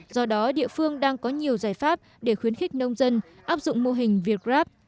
do đó địa phương đang có nhiều giải pháp để khuyến khích nông dân áp dụng mô hình việt grab